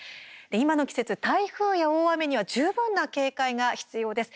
今の季節、台風や大雨には十分な警戒が必要です。